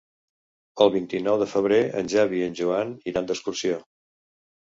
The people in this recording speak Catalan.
El vint-i-nou de febrer en Xavi i en Joan iran d'excursió.